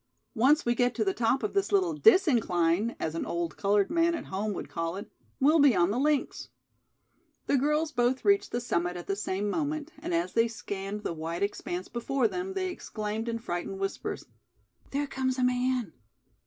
Once we get to the top of this little 'dis incline,' as an old colored man at home would call it, we'll be on the links." The girls both reached the summit at the same moment, and as they scanned the white expanse before them, they exclaimed in frightened whispers: "There comes a man."